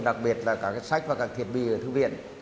đặc biệt là cả cái sách và các thiết bị ở thư viện